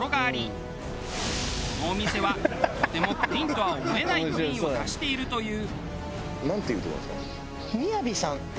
そのお店はとてもプリンとは思えないプリンを出しているという。